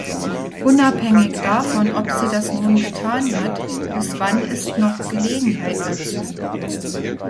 Unabhängig davon, ob sie das nun getan hat, bis wann ist noch Gelegenheit dazu?